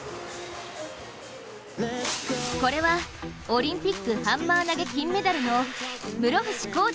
これはオリンピックハンマー投金メダルの室伏広治